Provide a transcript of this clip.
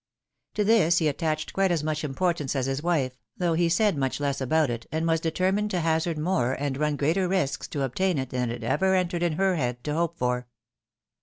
To this he attached quite as much importance as his wife, though he said much less about it, and was determined to hazard more, and run greater risks to obtain it, than it ever entered into her head to hope for.